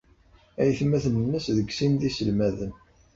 Aytmaten-nnes deg sin d iselmaden.